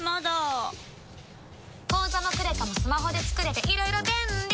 「口座もクレカもスマホで作れていろいろ便利」